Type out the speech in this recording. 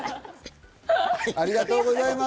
ありがとうございます。